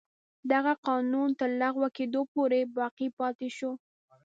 دغه قانون تر لغوه کېدو پورې باقي پاتې شو.